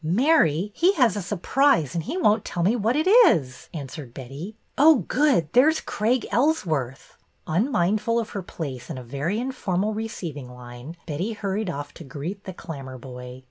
" Mary, he has a surprise and he won't tell me what it is," answered Betty. " Oh, good ! There 's Craig Ellsworth !'' Unmindful of her place in a very informal receiving line, Betty hurried off to greet the Clammerboy.